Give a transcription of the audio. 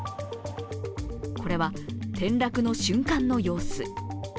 これは転落の瞬間の様子。